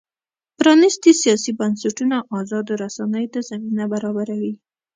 پرانیستي سیاسي بنسټونه ازادو رسنیو ته زمینه برابروي.